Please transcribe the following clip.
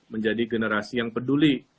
menjadi generasi yang peduli